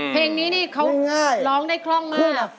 อย่างเช่นนี้เขาร้องได้คล่องมาก